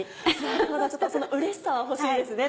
なるほどそのうれしさは欲しいですね